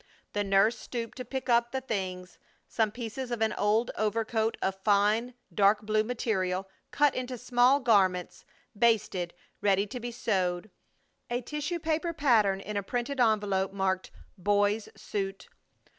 The nurse stooped to pick up the things, some pieces of an old overcoat of fine, dark blue material, cut into small garments, basted, ready to be sewed; a tissue paper pattern in a printed envelope marked "Boy's suit."